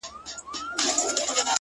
• هم زړه سواندی هم د ښه عقل څښتن وو,